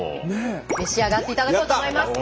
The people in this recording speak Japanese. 召し上がっていただこうと思います。